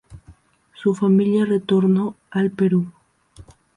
Su familia retornó al Perú.